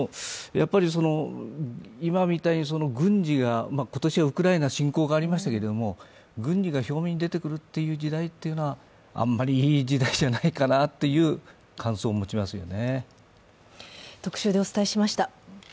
今みたいに軍事が今年はウクライナ侵攻がありましたけれども、軍備が表面に出てくる時代というのは、あんまりいい時代じゃないかなという感想を持ちますよね。